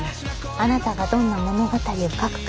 あなたがどんな物語を書くか。